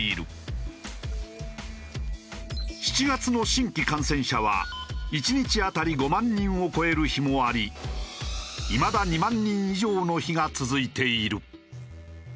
７月の新規感染者は１日当たり５万人を超える日もありいまだ２万人以上の日が続いている。